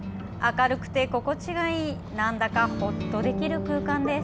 明るくて心地がいいなんだかほっとできる空間です。